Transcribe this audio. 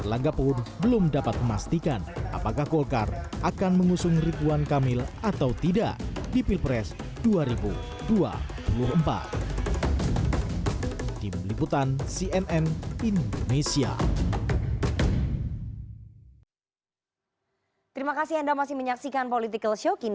antara prabowo dengan anies bedanya sekitar tiga belas persen